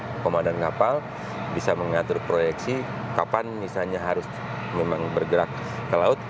untuk komandan kapal bisa mengatur proyeksi kapan misalnya harus memang bergerak ke laut